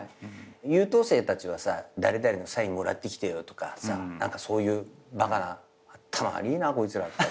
優等生たちはさ誰々のサインもらってきてよとかさ何かそういうバカな頭悪いなこいつら。